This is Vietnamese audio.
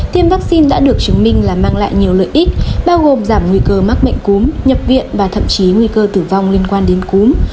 tiêm vaccine đã được chứng minh là mang lại nhiều lợi ích bao gồm giảm nguy cơ mắc bệnh cúm nhập viện và thậm chí nguy cơ tử vong liên quan đến cúm